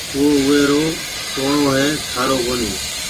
او اوَي رو ٽوڻو هيَ ٿارو ڪونَي